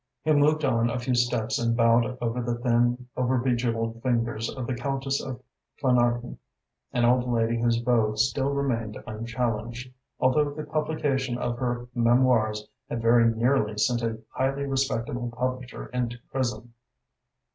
He moved on a few steps and bowed over the thin, over bejewelled fingers of the Countess of Clanarton, an old lady whose vogue still remained unchallenged, although the publication of her memoirs had very nearly sent a highly respected publisher into prison.